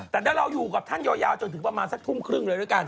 แต่ถ้าเราอยู่กับท่านยาวจนถึงประมาณสักทุ่มครึ่งเลยด้วยกัน